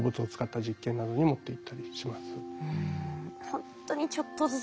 ほんとにちょっとずつですね。